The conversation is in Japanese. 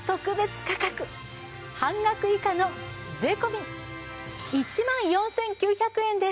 半額以下の税込１万４９００円です。